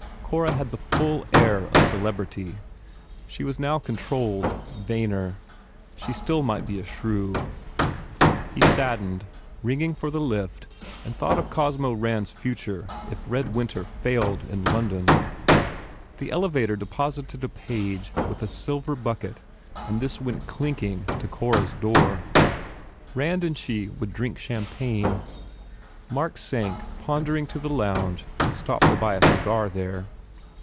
Cora had the full air of celebrity. She was now controlled, vainer. She might still be a shrew. He saddened, ringing for the lift, and thought of Cosmo Rand s future if "Red Winter" failed in London. The elevator deposited a page with a silver bucket and this went clinking to Cora s door. Rand and she would drink champagne. Mark sank pondering to the lounge and stopped to buy a cigar, there.